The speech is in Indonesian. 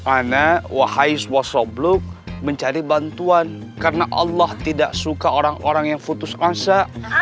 anak wahai subluk mencari bantuan karena allah tidak suka orang orang yang putus asa